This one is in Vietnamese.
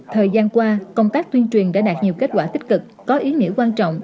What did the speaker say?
thời gian qua công tác tuyên truyền đã đạt nhiều kết quả tích cực có ý nghĩa quan trọng